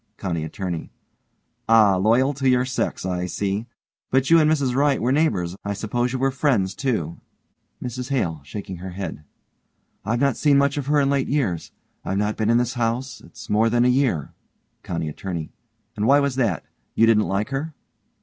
COUNTY ATTORNEY: Ah, loyal to your sex, I see. But you and Mrs Wright were neighbors. I suppose you were friends, too. MRS HALE: (shaking her head) I've not seen much of her of late years. I've not been in this house it's more than a year. COUNTY ATTORNEY: And why was that? You didn't like her?